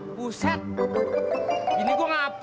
ayo jangan jangan jangan